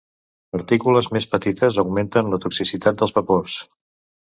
Partícules més petites augmenten la toxicitat dels vapors.